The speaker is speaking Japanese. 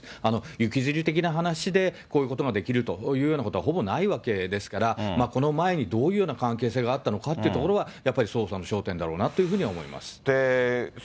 行きずり的な話でこういうことができるというようなことは、ほぼないわけですから、この前にどういうような関係性があったのかというところは、やっぱり、捜査の焦点だろうなというふうには思います。